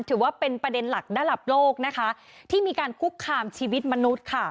ถือว่าเป็นประเด็นหลักณลับโลกที่มีการกุ้กขามชีวิตมนุษย์